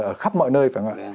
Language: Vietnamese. ở khắp mọi nơi phải không ạ